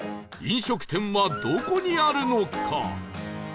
飲食店はどこにあるのか？